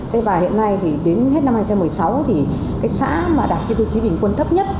thế và hiện nay thì đến hết năm hai nghìn một mươi sáu thì cái xã mà đạt cái tiêu chí bình quân thấp nhất